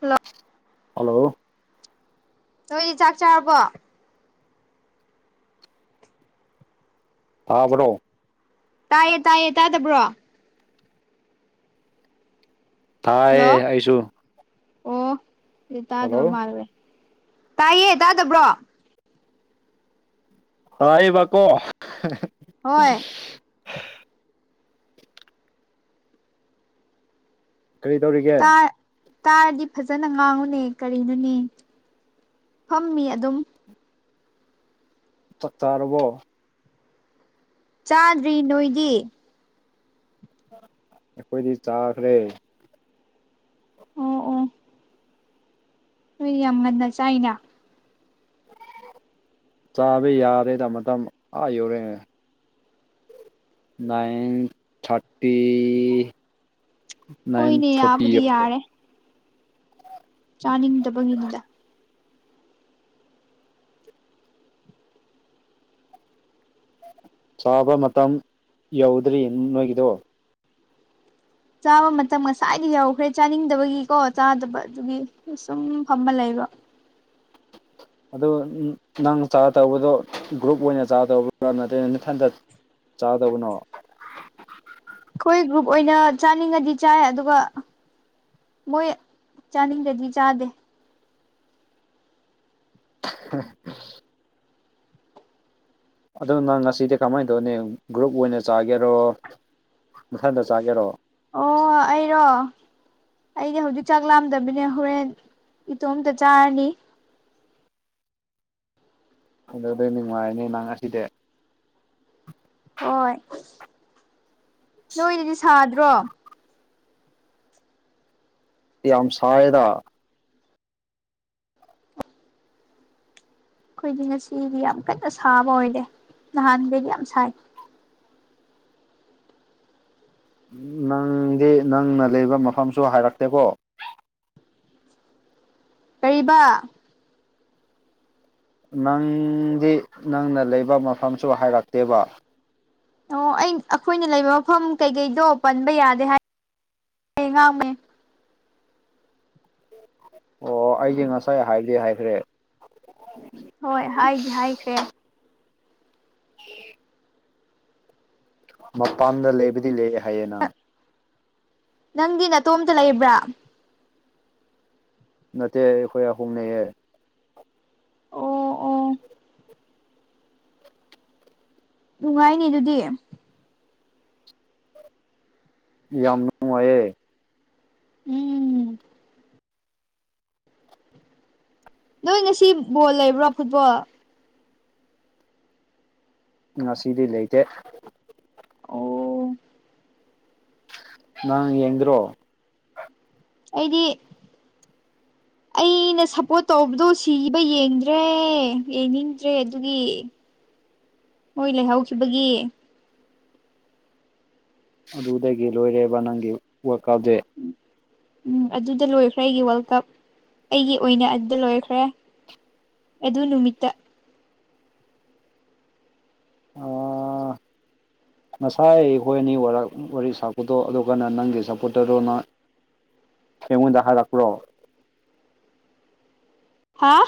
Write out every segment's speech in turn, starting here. ꯍ ꯍꯜꯂꯣ ꯅꯣꯏ ꯆꯥꯛ ꯆꯥꯔꯕꯣ ꯑꯕ꯭ꯔꯣ ꯇꯥꯏꯌꯦ ꯇꯥꯏꯌꯦ ꯇꯥꯗꯕ꯭ꯔꯣ ꯍꯜꯂꯣ ꯊꯥꯏꯌꯦ ꯑꯩꯁꯨ ꯑꯣ ꯁꯤ ꯍꯜꯂꯣ ꯇꯥꯗꯕ ꯃꯥꯜꯂꯦ ꯇꯥꯏꯌꯦ ꯇꯥꯗꯕ꯭ꯔꯣ ꯑ ꯏꯕ ꯀꯣ ꯍꯣꯏ ꯀꯔꯤ ꯇꯧꯔꯤꯒꯦ ꯇꯥ ꯇꯥꯔꯗꯤ ꯐꯖꯅ ꯉꯥꯡꯉꯨꯅꯦ ꯀꯔꯤꯅꯣꯅꯦ ꯐꯝꯃꯤ ꯑꯗꯨꯝ ꯆꯇꯥꯥꯔꯔꯕꯣ ꯆꯥꯗ꯭ꯔꯤ ꯅꯣꯏꯗꯤ ꯑꯩꯈꯣꯏꯗꯤ ꯆꯥꯈ꯭ꯔꯦ ꯑꯣ ꯑꯣ ꯃ ꯌꯥꯝꯃꯗ ꯆꯅ ꯆꯥꯕ ꯌꯥꯔꯦꯗ ꯃꯇꯝ ꯑꯥ ꯌꯧꯨꯔꯦꯅꯦ ꯅꯥꯏꯟ ꯊꯥꯔꯇꯤ ꯅꯥꯏꯟ ꯍꯣꯏꯅꯦ ꯐꯣꯔꯇꯤ ꯌꯥꯕꯨꯗꯤ ꯑꯣꯏ ꯌꯥꯔꯦ ꯆꯥꯅꯤꯡꯗꯕꯒꯤꯅꯤꯗ ꯆꯥꯕ ꯃꯇꯝ ꯌꯧꯗ꯭ꯔꯤ ꯅꯣꯏꯒꯤꯗꯣ ꯆꯥꯕ ꯃꯇꯝ ꯉꯁꯥꯏꯗꯤ ꯌꯎꯈ꯭ꯔꯦ ꯆꯥꯅꯤꯡꯗꯕꯒꯤꯀꯣ ꯆꯥꯗꯕ ꯑꯗꯨꯒꯤ ꯁꯨꯝ ꯐꯝꯕ ꯂꯩꯕ ꯑꯗꯨ ꯅꯪ ꯆꯥꯔ ꯇꯧꯕꯗꯣ ꯒ꯭ꯔꯨꯞ ꯑꯣꯏꯅ ꯆꯥꯔ ꯇꯧꯕ ꯅꯗꯦ ꯅꯊꯟꯇ ꯆꯥꯗꯕꯅꯣ ꯑꯩꯈꯣꯏ ꯒ꯭ꯔꯨꯞ ꯑꯣꯏꯅ ꯆꯥꯅꯤꯡꯉꯗꯤ ꯆꯥꯏ ꯑꯗꯨꯒ ꯃꯣꯏ ꯆꯥꯅꯤꯡꯗꯗꯤ ꯆꯥꯗꯦ [unintelligible] ꯑꯗꯨ ꯅꯪ ꯉꯁꯤꯗꯤ ꯀꯃꯥꯏꯅ ꯇꯧꯅꯤ ꯒ꯭ꯔꯨꯞ ꯑꯣꯏꯅ ꯆꯥꯒꯦꯔꯣ ꯅꯊꯟꯗ ꯆꯥꯒꯦꯔꯣ ꯑꯣ ꯑꯩꯔꯣ ꯑꯩꯗꯤ ꯍꯧꯖꯤꯛ ꯆꯥꯛ ꯂꯥꯝꯗꯕꯅꯦ ꯍꯣꯔꯦꯟ ꯏꯇꯣꯝꯇ ꯆꯥꯔꯅꯤ ꯑꯗꯨ ꯑꯗꯨ ꯅꯨꯡꯉꯥꯏꯅꯦ ꯅꯪ ꯉ ꯑꯁꯤꯗꯤ ꯍꯣꯏ ꯅꯣꯏꯗꯗꯤ ꯁꯥꯗ꯭ꯔꯣ ꯌꯥꯝ ꯌꯥꯝꯁꯥꯏꯗ ꯑꯩꯈꯣꯏꯗꯤ ꯉꯁꯤꯗꯤ ꯌꯥꯝ ꯀꯟꯅ ꯁꯥꯕ ꯑꯣꯏꯗꯦ ꯅꯍꯥꯟꯈꯩꯗꯤ ꯌꯥꯝ ꯁꯥꯏ ꯅꯪꯗꯤ ꯅꯪꯅ ꯂꯩꯕ ꯃꯐꯝꯁꯨ ꯍꯥꯏꯔꯛꯇꯦꯀꯣ ꯀꯔꯤꯕ ꯅꯪꯗꯤ ꯅꯪꯅ ꯂꯩꯕ ꯃꯐꯝꯁꯨ ꯍꯥꯏꯔꯛꯇꯦꯕ ꯑꯣ ꯑꯩ ꯑꯩꯈꯣꯏꯅ ꯂꯩꯕ ꯃꯐꯝ ꯀꯩꯀꯩꯗꯣ ꯄꯟꯕ ꯌꯥꯗꯦ ꯍꯥꯏ ꯉꯥꯡꯃꯦ ꯑꯣ ꯑꯩꯁꯦ ꯉꯁꯥꯏ ꯍꯥꯏꯕꯗꯤ ꯍꯥꯏꯈ꯭ꯔꯦ ꯍꯣꯏ ꯍꯥꯏꯗꯤ ꯍꯥꯏꯈ꯭ꯔꯦ [unintelligible] ꯃꯄꯥꯟꯗ ꯂꯩꯕꯨꯗꯤ ꯂꯩꯑꯦ ꯍꯥꯏꯌꯦ ꯅꯪ ꯅꯪꯗꯤ ꯅꯇꯣꯝꯇ ꯂꯩꯕ꯭ꯔꯥ ꯅꯠꯇꯦ ꯑꯩꯈꯣꯏ ꯑꯍꯨꯝ ꯂꯩꯌꯦ ꯑꯣ ꯑꯣ ꯅꯨꯡꯉꯥꯏꯅꯤ ꯑꯗꯨꯗꯤ ꯌꯥꯝ ꯅꯨꯡꯉꯥꯏꯌꯦ ꯎꯝ ꯅꯣꯏ ꯉꯁꯤ ꯕꯣꯜ ꯂꯩꯕ꯭ꯔꯣ ꯐꯨꯠꯕꯣꯜ ꯉꯁꯤꯗꯤ ꯂꯩꯇꯦ ꯑꯣ ꯅꯪ ꯌꯦꯡꯗ꯭ꯔꯣ ꯑꯩꯗꯤ ꯑꯩꯅ ꯁꯞꯄꯣꯔꯠ ꯇꯧꯕꯗꯣ ꯁꯤꯕ ꯌꯦꯡꯗ꯭ꯔꯦ ꯌꯦꯡꯅꯤꯡꯗ꯭ꯔꯦ ꯑꯗꯨꯒꯤ ꯃꯣꯏ ꯂꯩꯍꯧꯈꯤꯕꯒꯤ ꯑꯗꯨꯗꯒꯤ ꯂꯣꯏꯔꯦꯕ ꯅꯪꯒꯤ ꯋꯥꯜꯀꯞꯗꯤ [inaudible] ꯎꯝ ꯑꯗꯨꯗ ꯂꯣꯏꯈ꯭ꯔꯦ ꯑꯩꯒꯤ ꯋꯥꯔꯜ ꯀꯞ ꯑꯩꯒꯤ ꯑꯣꯏꯅ ꯑꯗꯨꯗ ꯂꯣꯏꯈ꯭ꯔꯦ ꯑꯗꯨ ꯅꯨꯃꯤꯠꯇ ꯑꫭ [inaudible] ꯉꯁꯥꯏ ꯑꯩꯈꯣꯏ ꯑꯅꯤꯔ ꯋꯥꯔꯤ ꯁꯥꯄꯗꯣ ꯑꯗꯨ ꯀꯥꯟꯅ ꯅꯪꯒꯤ ꯁꯥꯞꯄꯣꯔꯠꯇꯔꯗꯨꯅ ꯍꯦꯃꯟꯗ ꯍꯔꯛ꯭ꯄꯔꯣ ꯍꯥ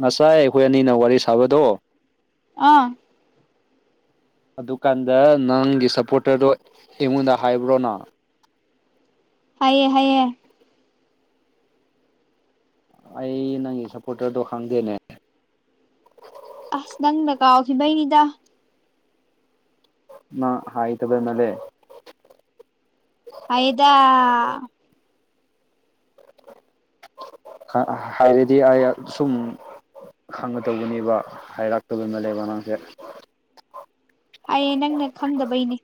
ꯉꯁꯥꯏ ꯑꯩꯈꯣꯏ ꯑꯅꯤꯅ ꯋꯥꯔꯤ ꯁꯥꯕꯗꯣ ꯑꯥ ꯑꯗꯨꯀꯥꯟꯗ ꯅꯪꯒꯤ ꯁꯞꯄꯣꯔꯇꯔꯗꯣ ꯑꯩꯉꯣꯟꯗ ꯍꯥꯏꯕ꯭ꯔꯣꯅ ꯍꯥꯏꯑꯌꯦ ꯍꯥꯏꯑꯌꯦ ꯑꯩ ꯅꯪꯒꯤ ꯁꯞꯄꯣꯔꯇꯔꯗꯣ ꯈꯪꯗꯦꯅꯦ ꯑꯁ ꯅꯪꯅ ꯀꯥꯎꯈꯤꯕꯩꯅꯤꯗ ꯅꯪ ꯍꯩꯇꯕ ꯅꯠꯇꯦ ꯍꯩꯗ ꯍꯥꯏꯔꯗꯤ ꯑꯩ ꯁꯨꯝ ꯈꯪꯉ ꯇꯧꯕꯅꯦꯕ ꯍꯥꯏꯔꯥꯛꯇꯕꯅ ꯂꯩꯕ ꯅꯪꯁꯦ ꯍꯥꯏꯌꯦ ꯅꯪꯅ ꯈꯪꯗꯕꯩꯅꯦ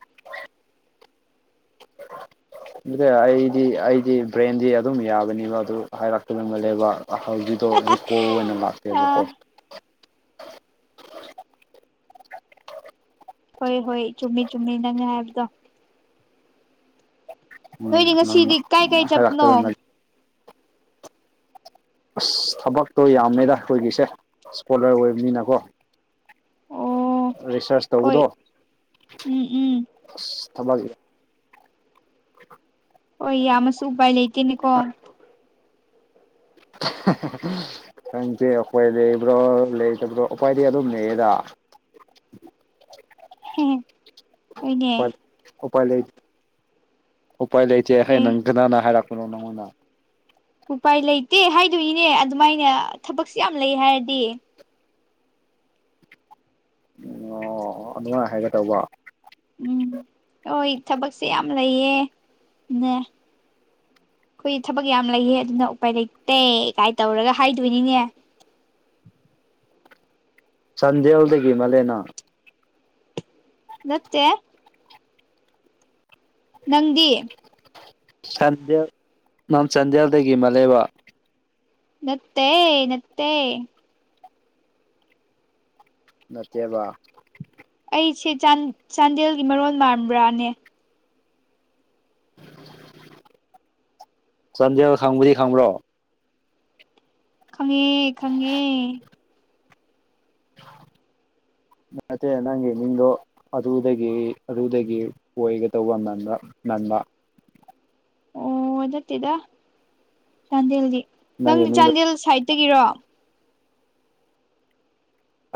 ꯑꯗꯨ ꯑꯩꯗꯤ ꯑꯩꯗꯤ ꯕ꯭ꯔꯦꯟꯗꯤ ꯑꯗꯨꯝ ꯌꯥꯕꯅꯦꯕ ꯑꯗꯨ ꯍꯥꯏꯔꯛꯀꯗ ꯃꯜꯂꯦꯕ ꯑꯍꯜꯒꯤꯗꯣ ꯍꯧꯖꯤꯛ ꯀꯣꯜ ꯑꯣꯏꯅ ꯂꯥꯛꯇꯦꯕꯀꯣ ꯑꯥ ꯍꯣꯏ ꯍꯣꯏ ꯆꯨꯝꯃꯤ ꯆꯨꯝꯃꯤ ꯅꯪꯅ ꯍꯥꯏꯕꯗꯣ ꯎꯝ ꯅꯣꯏꯗꯤ ꯅꯪꯅ ꯉꯁꯤꯗꯤ ꯀꯥꯏ ꯀꯥꯏ ꯆꯠꯄꯅꯣ ꯍꯥꯏꯔꯛꯇꯕ ꯃꯥꯜꯂꯦ ꯑꯁ ꯊꯕꯛꯇꯣ ꯌꯥꯝꯃꯦꯗ ꯑꯩꯈꯣꯏꯒꯤꯁꯦ ꯏꯁꯀꯣꯂꯔ ꯑꯣꯏꯕꯅꯤꯅꯀꯣ ꯑꯣ ꯔꯤꯁꯔꯁ ꯍꯣꯏ ꯇꯧꯕꯗꯣ ꯎꯝ ꯎꯝ ꯑꯁ ꯊꯕꯛ ꯍꯣꯏ ꯌꯥꯝꯃꯁꯨ ꯎꯄꯥꯏ ꯂꯩꯇꯦꯅꯦꯀꯣ [inaudible] ꯈꯪꯗꯦ ꯑꯩꯈꯣꯏ ꯂꯩꯕ꯭ꯔꯣ ꯂꯩꯇꯕ꯭ꯔꯣ ꯑꯩꯈꯣꯏꯗꯤ ꯑꯗꯨꯝ ꯂꯩꯌꯦꯗ ꯍꯦꯍꯦ ꯍꯣꯏꯅꯦ ꯎꯄꯥꯏ ꯎꯄꯥꯏ ꯂꯩ ꯎꯄꯥꯏ ꯂꯩꯇꯦ ꯍꯥꯢ ꯑꯦ ꯅꯪ ꯀꯅꯥꯅꯥ ꯍꯥꯏꯔꯛꯄꯅꯣ ꯅꯪꯉꯣꯟꯗ ꯎꯄꯥꯏ ꯂꯩꯇꯦ ꯍꯥꯏꯗꯣꯛꯏꯅꯦ ꯑꯗꯨꯃꯥꯏꯅ ꯊꯕꯛꯁꯦ ꯌꯥꯝ ꯂꯩ ꯍꯥꯏꯔꯗꯤ ꯑꯣ ꯑꯣ ꯑꯗꯨꯃꯥꯏ ꯍꯥꯏꯒꯦ ꯇꯧꯕ ꯎꯝ ꯍꯣꯏ ꯊꯕꯛꯁꯦ ꯌꯥꯝ ꯂꯩꯌꯦ ꯅꯦ ꯑꯩꯈꯣꯏ ꯊꯕꯛ ꯌꯥꯝ ꯂꯩꯌꯦ ꯑꯗꯨꯅ ꯎꯄꯥꯏ ꯂꯩꯇꯦ ꯀꯥꯏꯅ ꯇꯧꯔꯒ ꯍꯥꯏꯗꯣꯏꯅꯤꯅꯦ ꯆꯥꯟꯗꯦꯜꯗꯒꯤ ꯃꯥꯜꯂꯦ ꯅꯪ ꯅꯠꯇꯦ ꯅꯪꯗꯤ ꯆꯥꯟꯗꯦꯜ ꯅꯪ ꯆꯥꯟꯗꯦꯜꯗꯒꯤ ꯃꯥꯜꯂꯦꯕ ꯅꯠꯇꯦ ꯅꯠꯇꯦ ꯅꯠꯇꯦꯕ ꯑꯩꯁꯦ ꯆꯥꯟꯗꯦꯜꯒꯤ ꯃꯔꯣꯟ ꯃꯥꯟꯕ꯭ꯔꯥꯅꯦ ꯆꯥꯟꯗꯦꯟ ꯈꯪꯕꯨꯗꯤ ꯈꯪꯕ꯭ꯔꯣ ꯈꯪꯉꯦ ꯈꯪꯉꯦ [unintelligible] ꯅꯠꯇꯦ ꯅꯪꯒꯤ ꯃꯤꯡꯗꯣ ꯑꯗꯨꯗꯒꯤ ꯑꯗꯨꯗꯒꯤ ꯑꯣꯏꯒꯗꯧꯕ ꯃꯥꯟꯕ ꯃꯥꯟꯕ ꯑꯣ ꯅꯠꯇꯦꯗ ꯆꯥꯟꯗꯦꯜꯒꯤ ꯅꯪꯒꯤ ꯅꯪꯗꯤ ꯃꯤꯡꯗꯣ ꯆꯥꯟꯗꯦꯜ ꯁꯥꯏꯠꯇꯒꯤꯔꯣ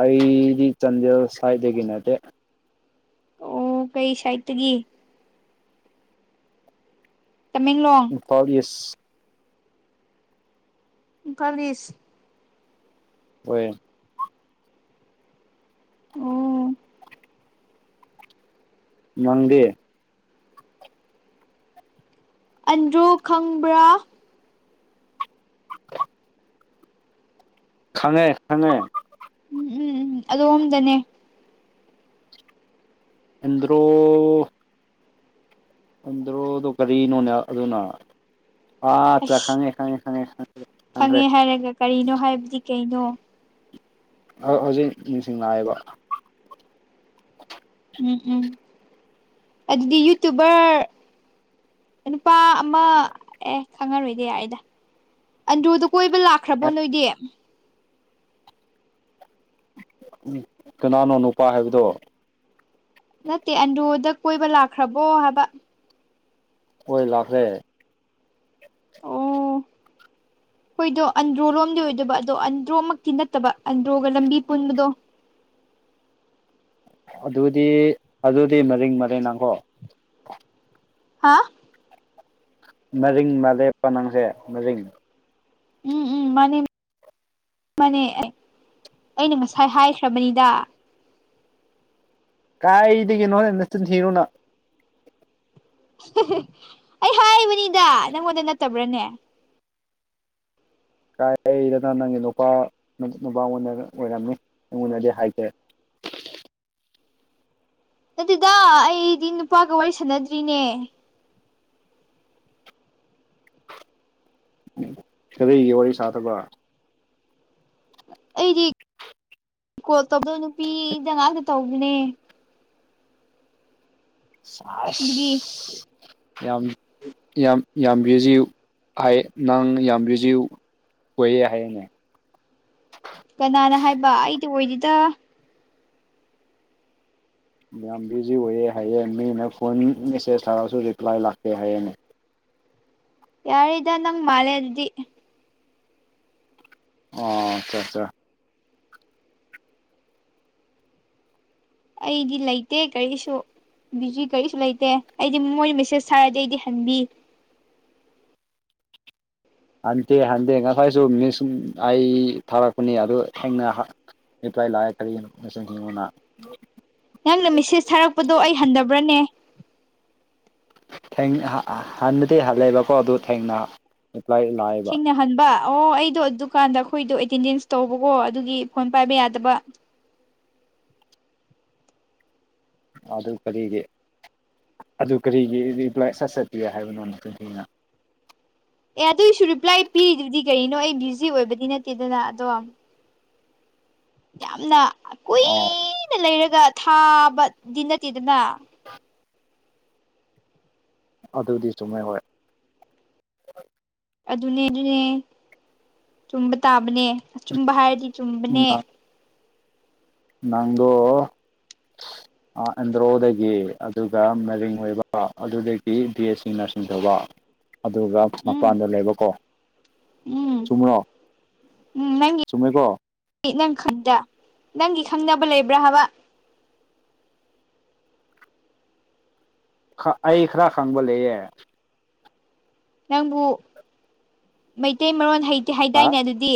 ꯑꯩꯗꯤ ꯆꯥꯟꯗꯦꯜ ꯁꯥꯢꯠꯗꯒꯤ ꯅꯠꯇꯦ ꯑꯣ ꯀꯔꯤ ꯁꯥꯏꯠꯇꯒꯤ ꯇꯃꯦꯡꯂꯣꯡ ꯢꯝꯐꯥꯜ ꯢꯁ ꯢꯝꯐꯥꯜ ꯢꯁ ꯑꯣꯏ ꯑꯣ ꯅꯪꯗꯤ ꯑꯟꯗ꯭ꯔꯣ ꯈꯪꯕ꯭ꯔꯥ ꯈꯪꯉꯦ ꯈꯪꯉꯦ ꯎꯝ ꯎꯝ ꯎꯝ ꯑꯗꯣꯝꯗꯅꯦ ꯑꯥꯟꯗ꯭ꯔꯣ ꯑꯟꯗ꯭ꯔꯣꯗꯣ ꯀꯔꯤꯅꯣꯅꯦ ꯑꯗꯨꯅ ꯑꯆꯥ ꯑꯁ ꯈꯪꯉꯦ ꯈꯪꯉꯦ ꯈꯪꯉꯦ ꯈꯪꯈ꯭ꯔꯦ ꯈꯪꯉꯦ ꯍꯥꯏꯔꯒ ꯀꯔꯤꯅꯣ ꯍꯥꯏꯕꯗꯤ ꯀꯩꯅꯣ ꯍꯧꯖꯤꯛ ꯅꯤꯡꯁꯤꯡꯅꯅꯥꯑꯕ ꯎꯝ ꯎꯝ ꯑꯗꯨꯗꯤ ꯌꯨꯇꯨꯕꯔ ꯅꯨꯄꯥ ꯑꯃ ꯑꯦ ꯈꯪꯉꯔꯣꯏꯗꯦ ꯌꯥꯑꯦꯗ ꯑꯟꯗ꯭ꯔꯣꯗ ꯀꯣꯏꯕ ꯂꯥꯛꯈ꯭ꯔꯕꯣ ꯅꯣꯏꯗꯤ ꯎꯝ ꯀꯅꯥꯅꯣ ꯅꯨꯄꯥ ꯍꯥꯏꯕꯗꯣ ꯅꯠꯇꯦ ꯑꯟꯗꯣꯗ ꯀꯣꯏꯕ ꯂꯥꯛꯈ꯭ꯔꯕꯣ ꯍꯥꯏꯕ ꯍꯣꯏ ꯂꯥꯛꯈ꯭ꯔꯦ [unintelligible] ꯑꯩꯈꯣꯏꯗꯣ ꯑꯟꯗ꯭ꯔꯣ ꯂꯣꯝꯗꯤ ꯑꯣꯏꯗꯕ ꯑꯗꯣ ꯑꯟꯗ꯭ꯔꯣꯃꯛꯇꯤ ꯅꯠꯇꯕ ꯑꯟꯗ꯭ꯔꯣꯒ ꯂꯝꯕꯤ ꯄꯨꯟꯕꯗꯣ ꯑꯗꯨꯗꯤ ꯑꯗꯨꯗꯤ ꯃꯔꯤꯡ ꯃꯔꯤꯡ ꯅꯡꯈꯣ ꯍꯥ ꯃꯔꯤꯡ ꯃꯥꯂꯦ ꯄ ꯅꯪꯁꯦ ꯃꯔꯤꯡ ꯎꯝ ꯎꯝ ꯃꯥꯅꯦ ꯃꯥꯅꯦ ꯑꯩꯅ ꯉꯁꯥꯏ ꯍꯥꯏꯈ꯭ꯔꯕꯅꯤꯗ ꯀꯥꯏꯗꯒꯤꯅꯣꯍꯦ ꯅꯆꯤꯟ ꯊꯤꯕ ꯅꯪ ꯑꯩ ꯍꯥꯏꯕꯅꯤꯗ ꯅꯪꯉꯣꯟꯗ ꯅꯠꯇꯕ꯭ꯔꯅꯦ ꯀꯥꯏꯗꯅ ꯅꯪꯒꯤ ꯅꯨꯄꯥ ꯅꯨꯄꯥ ꯑꯣꯏꯅ ꯑꯣꯏꯔꯝꯃꯤ ꯑꯩꯉꯣꯟꯗꯗꯤ ꯍꯥꯏꯗꯦ ꯑꯗꯨꯗꯣ ꯑꯩꯗꯤ ꯅꯨꯄꯥꯒ ꯋꯥꯔꯤ ꯁꯥꯟꯅꯗ꯭ꯔꯤꯅꯦ ꯀꯔꯤꯒꯤ ꯋꯥꯔꯤ ꯁꯥꯗꯕ ꯑꯩꯗꯤ ꯀꯣꯜ ꯇꯧꯕꯗꯣ ꯅꯨꯄꯤꯗ ꯉꯥꯛꯇ ꯇꯧꯕꯅꯦ ꯑꯗꯨꯒꯤ [unintelligible] ꯌꯥꯝ ꯌꯥꯝ ꯌꯥꯝ ꯕ꯭ꯌꯨꯖꯤ ꯍꯥꯏ ꯅꯪ ꯌꯥꯝ ꯕꯤꯖꯤꯌꯨ ꯑꯣꯏꯌꯦ ꯍꯥꯏꯌꯦꯅꯦ ꯀꯅꯥꯅ ꯍꯥꯏꯕ ꯑꯩꯗꯤ ꯑꯣꯏꯗꯦꯗ ꯌꯥꯝ ꯕꯤꯖꯤ ꯑꯣꯏꯌꯦ ꯍꯥꯏꯌꯦ ꯃꯤꯅ ꯐꯣꯟ ꯃꯦꯁꯦꯖ ꯊꯥꯔꯁꯨ ꯔꯤꯄ꯭ꯂꯥꯏ ꯂꯥꯛꯇꯦ ꯍꯥꯏꯌꯦꯅꯦ ꯌꯥꯔꯦꯗ ꯅꯪ ꯃꯥꯂꯦ ꯑꯗꯨꯗꯤ ꯑꯣ ꯑꯆꯥ ꯑꯆꯥ ꯑꯩꯗꯤ ꯂꯩꯇꯦ ꯀꯔꯤꯁꯨ ꯕꯤꯖꯤ ꯀꯔꯤꯁꯨ ꯂꯩꯇꯦ ꯑꯩꯗꯤ ꯃꯣꯏ ꯃꯦꯁꯦꯁ ꯊꯥꯔꯗꯤ ꯑꯩꯗꯤ ꯍꯟꯕꯤ ꯍꯟꯊꯦ ꯍꯟꯊꯦ ꯉꯁꯥꯏꯁꯨ ꯃꯤꯁ ꯑꯩ ꯊꯥꯔꯛꯄꯅꯤ ꯑꯗꯨ ꯊꯦꯡꯅ ꯔꯤꯄ꯭ꯂꯥꯏ ꯂꯥꯛꯑꯦ ꯀꯔꯤꯒꯤꯅꯣ ꯐꯖꯅ ꯌꯦꯉꯨꯅ ꯅꯪꯅ ꯃꯦꯁꯦꯁ ꯊꯥꯔꯛꯄꯗꯣ ꯑꯩ ꯍꯟꯊꯕ꯭ꯔꯅꯦ ꯍꯟꯕꯗꯤ ꯍꯜꯂꯦꯕꯀꯣ ꯑꯗꯨ ꯊꯦꯡꯅ ꯄ꯭ꯂꯥꯏ ꯁꯤꯡꯅ ꯐꯍꯟꯕ ꯑꯣ ꯑꯩꯗꯣ ꯑꯗꯨꯀꯥꯟꯗ ꯑꯩꯈꯣꯏꯗꯣ ꯑꯦꯇꯦꯟꯗꯦꯟꯁ ꯇꯧꯕꯀꯣ ꯑꯗꯨꯒꯤ ꯐꯣꯟ ꯄꯥꯏꯕ ꯌꯥꯗꯕ ꯑꯗꯨ ꯀꯔꯤꯒꯤ ꯑꯗꯨ ꯀꯔꯤꯒꯤ ꯔꯤꯄ꯭ꯂꯥꯏ ꯁꯠ ꯆꯠꯄꯤꯒꯦ ꯍꯥꯏꯕꯅꯣ ꯇꯊꯤꯅ ꯑꯦ ꯑꯗꯨꯒꯤꯁꯨ ꯔꯤꯄ꯭ꯂꯥꯏ ꯄꯤꯔꯤꯗꯨꯗꯤ ꯀꯔꯤꯅꯣ ꯑꯩ ꯕꯤꯖꯤ ꯑꯣꯏꯕꯗꯤ ꯅꯠꯇꯦꯗꯅ ꯑꯗꯣ ꯌꯥꯝꯅ ꯑꯣ ꯑꯩꯅ ꯂꯩꯔꯒ ꯊꯥꯕꯗꯤ ꯅꯠꯇꯦꯗꯅ [unintelligible] ꯑꯗꯨꯗꯤ ꯆꯨꯝꯃꯦ ꯍꯣꯏ ꯑꯗꯨꯅꯦ ꯑꯗꯨꯅꯦ ꯆꯨꯝꯕ ꯇꯥꯕꯅꯦ ꯑꯆꯨꯝꯕ ꯍꯥꯏꯔꯗꯤ ꯆꯨꯝꯕꯅꯦ ꯅꯪꯗꯣ [unintelligible] ꯑꯦꯟꯗ꯭ꯔꯣꯗꯒꯤ ꯑꯗꯨꯒ ꯃꯦꯔꯤꯡ ꯑꯣꯏꯕ ꯑꯗꯨꯗꯒꯤ ꯕꯤ ꯑꯦꯁ ꯁꯤ ꯅꯔꯁꯤꯡ ꯇꯧꯕ ꯑꯗꯨꯒ ꯎꯝ ꯃꯄꯥꯟꯗ ꯂꯩꯕꯀꯣ ꯎꯝ ꯆꯨꯝꯃ꯭ꯔꯣ ꯎꯝ ꯅꯪꯒꯤ ꯆꯨꯝꯃꯦꯀꯣ ꯅꯪ ꯈꯪꯗ ꯅꯪꯒꯤ ꯈꯪꯗꯅꯕ ꯂꯩꯕ꯭ꯔꯥ ꯍꯥꯏꯕ ꯑꯩ ꯈꯔ ꯈꯪꯕ ꯂꯩꯌꯦ ꯅꯪꯕꯨ ꯃꯩꯇꯩ ꯃꯔꯣꯟ ꯍꯩꯇꯦ ꯍꯥꯏꯗꯥꯏꯅꯦ ꯑꯗꯨꯗꯤ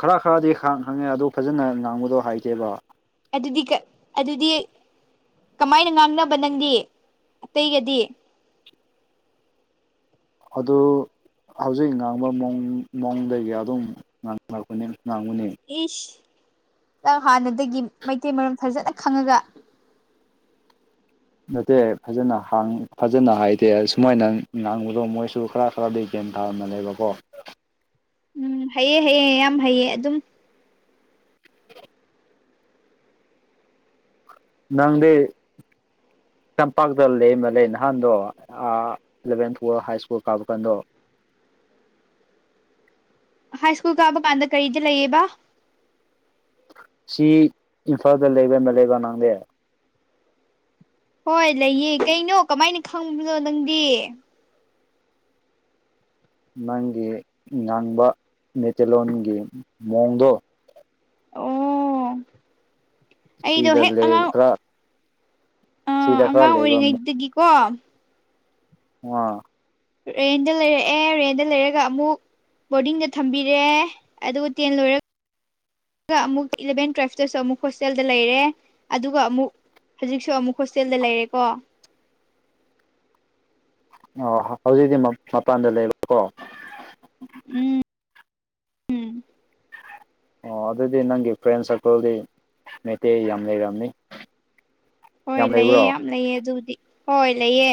ꯈꯔ ꯈꯔꯗꯤ ꯈꯪꯉꯦ ꯑꯗꯨ ꯐꯖꯅ ꯉꯥꯡꯕꯗꯣ ꯍꯥꯏꯇꯦꯕ ꯑꯗꯨꯗꯤ ꯀꯥ ꯑꯗꯨꯗꯤ ꯀꯃꯥꯏꯅ ꯉꯥꯡꯅꯕ ꯅꯪꯗꯤ ꯑꯇꯩꯒꯗꯤ ꯑꯗꯣ ꯍꯧꯖꯤꯛ ꯉꯥꯡꯕ ꯃꯑꯣꯡ ꯃꯑꯣꯡꯗ ꯑꯗꯨꯝ ꯉꯥꯡꯅꯕꯅꯦ ꯉꯥꯡꯕꯅꯦ ꯏꯁ ꯅꯪ ꯍꯥꯟꯅꯗꯒꯤ ꯃꯩꯇꯩ ꯃꯔꯣꯟ ꯐꯖꯅ ꯈꯪꯉꯒ ꯅꯠꯇꯦ ꯐꯖꯅ ꯍꯡ ꯐꯖꯅ ꯍꯥꯏꯗꯦ ꯁꯨꯃꯥꯏꯅ ꯉꯥꯡꯕꯗꯣ ꯃꯣꯏꯁꯨ ꯈꯔ ꯈꯔꯗꯤ ꯒꯌ꯭ꯥꯟ ꯇꯔꯝꯃꯅꯦꯕꯀꯣ ꯎꯝ ꯍꯩꯌꯦ ꯍꯩꯌꯦ ꯌꯥꯝ ꯍꯩꯌꯦ ꯑꯗꯨꯝ ꯅꯪꯗꯤ ꯇꯝꯄꯥꯛꯇ ꯂꯦꯝꯕꯅꯦ ꯅꯍꯥꯟꯗꯣ ꯏꯂꯚꯦꯟ ꯊꯨꯋꯦꯜ ꯍꯥꯏ ꯁ꯭ꯀꯨꯜ ꯀꯥꯕ ꯀꯥꯟꯗꯣ ꯍꯥꯏ ꯁ꯭ꯀꯨꯜ ꯀꯥꯕ ꯀꯥꯟꯗ ꯀꯔꯤꯗ ꯂꯩꯌꯦꯕ ꯁꯤ ꯏꯝꯐꯥꯜꯗ [unintelligible] ꯂꯩꯕ ꯅꯪꯗꯤ ꯍꯣꯏ ꯂꯩꯌꯦ ꯀꯩꯅꯣ ꯀꯃꯥꯏꯅ ꯈꯪꯕꯅꯣ ꯅꯪꯗꯤ ꯅꯪꯒꯤ ꯉꯥꯡꯕ ꯃꯩꯇꯩꯂꯣꯟꯒꯤ ꯃꯑꯣꯡꯗꯣ ꯑꯣ ꯑꯩꯗꯣ ꯁꯤꯗ ꯂꯩꯕ ꯈꯔꯥ ꯑꯥ ꯑꯉꯥꯡ ꯂꯩꯕ ꯑꯣꯏꯔꯤꯉꯩꯗꯒꯤꯀꯣ ꯋꯥ ꯔꯦꯟꯗ ꯂꯩꯔꯛꯑꯦ ꯔꯦꯟꯗ ꯂꯩꯔꯒ ꯑꯃꯨꯛ ꯕꯣꯔꯗꯤꯡꯗ ꯊꯝꯕꯤꯔꯦ ꯑꯗꯨꯒ ꯇꯦꯟ ꯂꯣꯏꯔ ꯑꯗꯨꯒ ꯑꯃꯨꯛ ꯏꯂꯚꯦꯟ ꯇꯨꯋꯦꯜꯐꯇꯁꯨ ꯑꯃꯨꯛ ꯍꯣꯁꯇꯦꯜꯗ ꯂꯩꯔꯦ ꯑꯗꯨꯒ ꯑꯃꯨꯛ ꯍꯧꯖꯤꯛꯁꯨ ꯑꯃꯨꯛ ꯍꯣꯁꯇꯦꯜꯗ ꯂꯩꯔꯦꯀꯣ ꯑꯣ ꯍꯧꯖꯤꯛꯇꯤ ꯃꯄꯟ ꯃꯄꯥꯟꯗ ꯂꯩꯕꯀꯣ ꯎꯝ ꯎꯝ ꯑꯣ ꯑꯗꯨꯗꯤ ꯅꯪꯒꯤ ꯐ꯭ꯔꯦꯟ ꯁꯥꯔꯀꯜꯗꯤ ꯃꯩꯇꯩ ꯌꯥꯝ ꯂꯩꯔꯝꯅꯤ ꯍꯣꯏ ꯌꯥꯝ ꯂꯩꯌꯦ ꯂꯩꯕ꯭ꯔꯣ ꯌꯥꯝ ꯂꯩꯌꯦ ꯑꯗꯨꯕꯨꯗꯤ ꯍꯣꯏ ꯂꯩꯌꯦ